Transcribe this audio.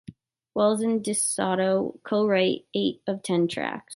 Wells and De Soto co-wrote eight of ten tracks.